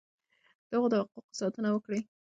د هغوی د حقوقو ساتنه وکړئ.